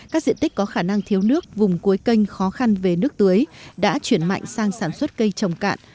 các diện tích có khả năng thiếu nước vùng cuối kênh khó khăn về nước tưới đã chuyển mạnh sang sản xuất cây trồng cạn